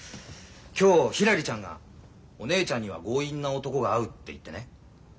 今日ひらりちゃんが「お姉ちゃんには強引な男が合う」って言ってね。